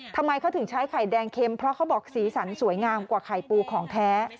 ทำไมเขาถึงใช้ไข่แดงเข็มเพราะเขาบอกสีสันสวยงามกว่าไข่ปูของแท้